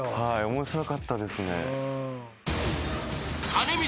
面白かったですね。